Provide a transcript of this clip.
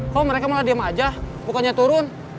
kok mereka malah diem aja bukannya turun